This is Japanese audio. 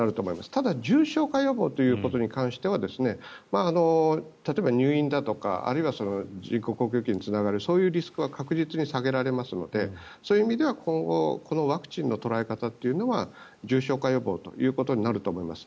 ただ、重症化予防に関しては例えば入院だとかあるいは人工呼吸器につながるそういうリスクは確実に下げられますのでそういう意味では今後ワクチンの捉え方というのは重症化予防となると思います。